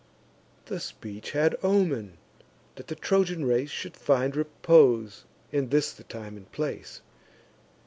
The speech had omen, that the Trojan race Should find repose, and this the time and place.